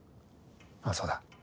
ああそうだ。